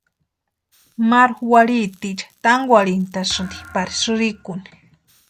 Maru warhitiecha tankwarhintasïnti pari sïrikuni.